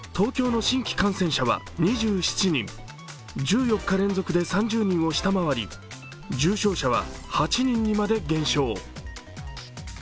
１４日連続で３０人を下回り、重症者は８人にまで減少。